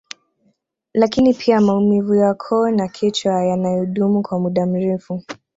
Lakini pia maumivu ya koo na kichwa yanayodumu kwa muda mrefu